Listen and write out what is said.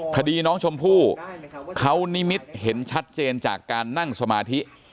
คดีน้องชมพู่เขานิมิตเห็นชัดเจนจากการนั่งสมาธิ